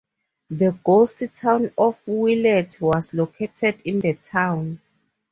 The ghost town of Willet was located in the town.